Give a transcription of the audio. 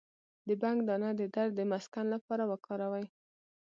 د بنګ دانه د درد د مسکن لپاره وکاروئ